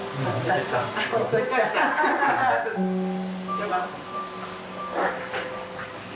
よかった。